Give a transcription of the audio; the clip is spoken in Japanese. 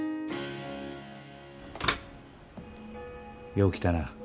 よう来たな。